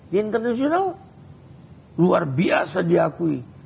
di internasional luar biasa diakui